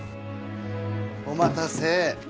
お待たせ。